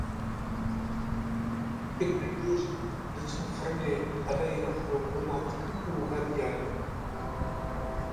Zarokên me gêj in; diçin firinê pereyên xwe wenda dikin û vedigerin.